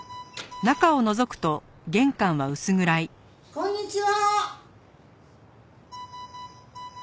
こんにちは。